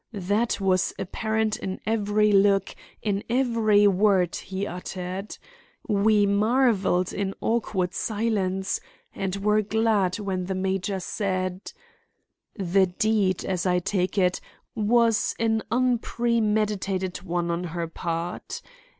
That was apparent in every look, in every word he uttered. We marveled in awkward silence, and were glad when the major said: "The deed, as I take it, was an unpremeditated one on her part.